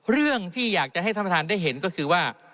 เรื่องที่อยากจะให้ท่านประธานได้เห็นก็คือว่า